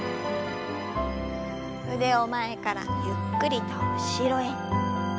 腕を前からゆっくりと後ろへ。